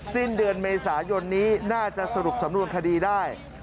สิ้นเดือนเมษายนนี้น่าจะสรุปสำนวนคดีได้